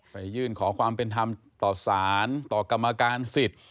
ยื่นขอความเป็นธรรมต่อสารต่อกรรมการสิทธิ์